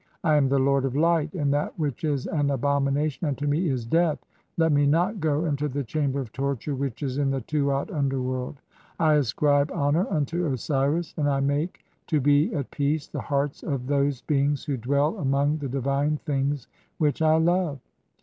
I am the "lord of (5) light, and that which is an abomination unto me "is death ; let me not go into the chamber of torture which is "in the Tuat (underworld). I ascribe honour [unto] Osiris, and "I make to be at peace the heart[s] of (6) those beings who dwell "among the divine things which [I] love.